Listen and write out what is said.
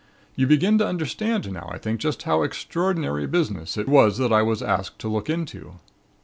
You begin to understand now, I think, just how extraordinary a business it was that I was asked to look into.